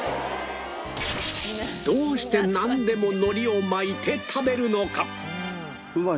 どうしてなんでも海苔を巻いて食べるのか？